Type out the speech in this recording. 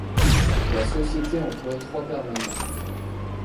La société emploie trois permanents.